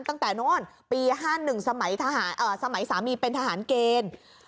ตั้งแต่โน้นปี๕๑สมัยสามีเป็นทหารเกณฑ์